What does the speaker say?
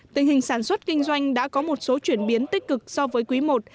tình hình sản xuất kinh doanh đã có một số chuyển biến tích cực so với quý i